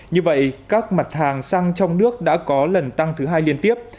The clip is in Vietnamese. như vậy các mặt hàng xăng trong nước đã có lần tăng thứ hai liên tiếp